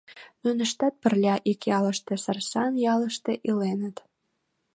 Нуныштат пырля ик ялыште, Сарсан ялыште, иленыт.